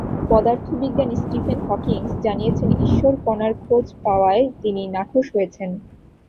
পদার্থ বিজ্ঞানী Stephen Hawkings জানিয়েছেন, ঈশ্বর কণার খোঁজ পাওয়ায় তিনি নাখোশ হয়েছেন।